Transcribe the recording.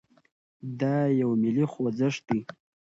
دا يو ملي خوځښت دی.